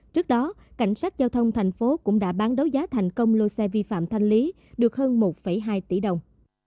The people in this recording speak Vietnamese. trước đó cảnh sát giao thông thành phố cũng đã bán đấu giá thành công lô xe vi phạm thanh lý được hơn một hai tỷ đồng